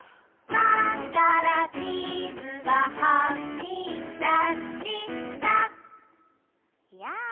「パンからチーズがはみだしたやあ」